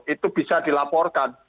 itu bisa dilaporkan